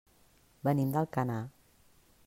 Venim d'Alcanar.